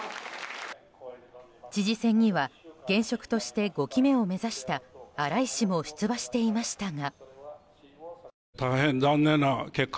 知事選には、現職として５期目を目指した荒井氏も出馬していましたが。